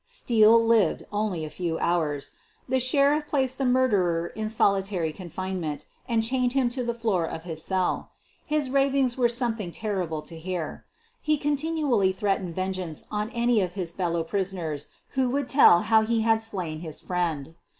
Steele lived only a few hours. The Sheriff placed the murderer in solitary confinement, and chained him to the floor of his cell. His ravings were some thing terrible to hear. He continually threatened vengeance on any of his fellow prisoners who would tell how he had slain his friend.